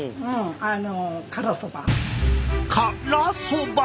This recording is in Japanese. からそば？